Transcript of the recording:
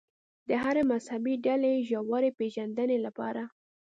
د هرې مذهبي ډلې ژورې پېژندنې لپاره.